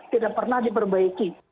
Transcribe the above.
tidak pernah diperbaiki